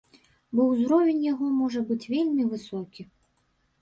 Бо ўзровень яго можа быць вельмі высокі.